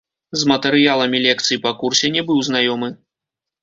З матэрыяламі лекцый па курсе не быў знаёмы.